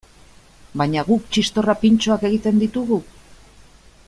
Baina guk txistorra pintxoak egiten ditugu?